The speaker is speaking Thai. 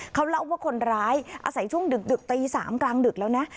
เขาเล่าว่าคนร้ายอาศัยช่วงดึกตี๓กลางดึกแล้วนะ